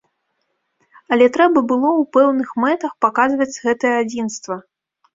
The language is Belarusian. Але трэба было ў пэўных мэтах паказваць гэтае адзінства.